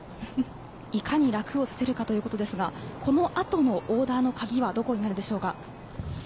いかに楽をさせるかということですがこのあとのオーダーの鍵はどこになるでしょうか。